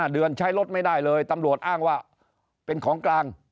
เดือนใช้รถไม่ได้เลยตำรวจอ้างว่าเป็นของกลาง